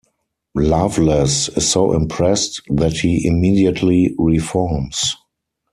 Loveless is so impressed that he immediately reforms.